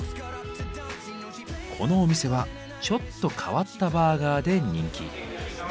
このお店はちょっと変わったバーガーで人気。